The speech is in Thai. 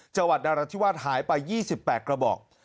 จังหวัดนราธิวาสหายไป๒๘กระบอก